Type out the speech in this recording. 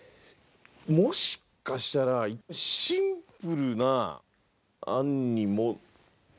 もしかしたらシンプルな案に。